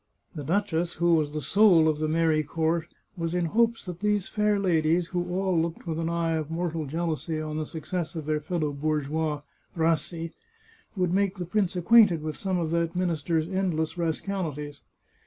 The duchess, who was the soul of the merry court, was in hopes that these fair ladies, who all looked with an eye of mortal jealousy on the success of their fellow bourgeois, Rassi, would make the prince acquainted with some of that minister's endless ras calities.